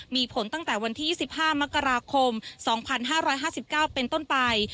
มีผลตั้งแต่วันที่๒๕มกราคม๒๕๕๙เป็นต้นไป